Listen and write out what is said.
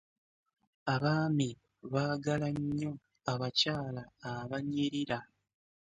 Abaami baagala nyo abakyala abanyirira.